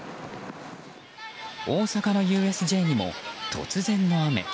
大阪のＵＳＪにも突然の雨。